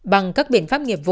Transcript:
bằng các biện pháp nghiệp vụ